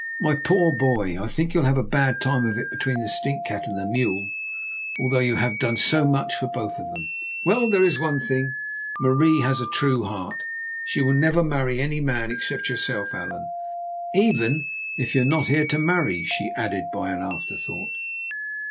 My poor boy, I think you will have a bad time of it between the stinkcat and the mule, although you have done so much for both of them. Well, there is one thing—Marie has a true heart. She will never marry any man except yourself, Allan—even if you are not here to marry," she added by an afterthought.